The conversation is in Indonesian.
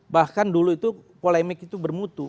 bahkan dulu itu polemik itu bermutu